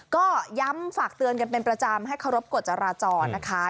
ก็ย้ำฝากเตือนกันเป็นประจำให้เคารพกฎจราจรนะคะ